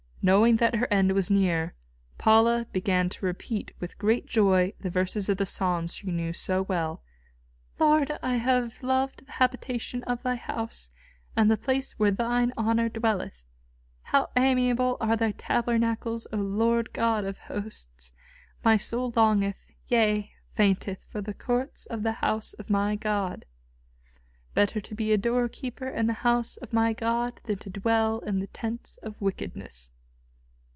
Knowing that her end was near, Paula began to repeat with great joy the verses of the Psalms she knew so well: "Lord, I have loved the habitation of Thy house, and the place where Thine honour dwelleth!"; "How amiable are Thy tabernacles, O Lord God of hosts! My soul longeth, yea, fainteth, for the courts of the house of my God."; "Better to be a doorkeeper in the house of my God than to dwell in the tents of wickedness."